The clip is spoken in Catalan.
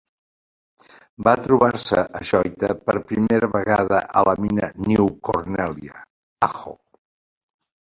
Va trobar-se ajoïta per primera vegada a la mina New Cornelia, Ajo.